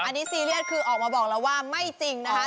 อันนี้ซีเรียสคือออกมาบอกแล้วว่าไม่จริงนะคะ